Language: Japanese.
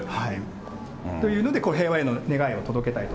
というので平和への願いを届けたいと。